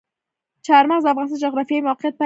چار مغز د افغانستان د جغرافیایي موقیعت پایله ده.